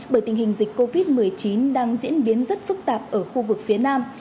bởi tình hình dịch covid một mươi chín đang diễn biến rất phức tạp ở khu vực phía nam